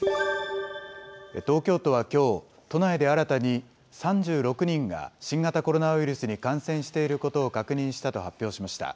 東京都はきょう、都内で新たに３６人が新型コロナウイルスに感染していることを確認したと発表しました。